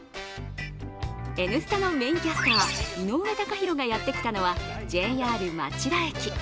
「Ｎスタ」のメインキャスター井上貴博がやってきたのはＪＲ町田駅。